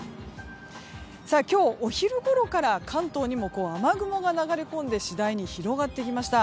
今日、お昼ごろから関東にも雨雲が流れ込んで次第に広がってきました。